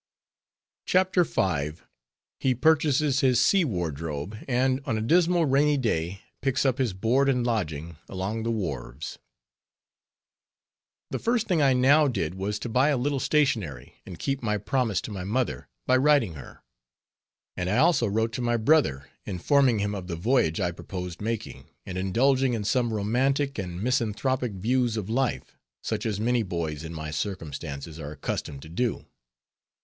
CHAPTER V. HE PURCHASES HIS SEA WARDROBE, AND ON A DISMAL RAINY DAY PICKS UP HIS BOARD AND LODGING ALONG THE WHARVES The first thing I now did was to buy a little stationery, and keep my promise to my mother, by writing her; and I also wrote to my brother informing him of the voyage I purposed making, and indulging in some romantic and misanthropic views of life, such as many boys in my circumstances, are accustomed to do.